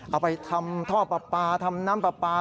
เอาไปทำท่อปลาปลาทำน้ำปลาปลา